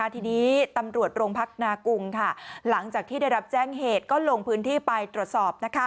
ทีนี้ตำรวจโรงพักนากุงหลังจากที่ได้รับแจ้งเหตุก็ลงพื้นที่ไปตรวจสอบ